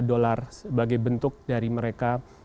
dolar sebagai bentuk dari mereka